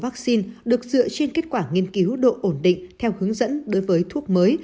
vaccine được dựa trên kết quả nghiên cứu độ ổn định theo hướng dẫn đối với thuốc mới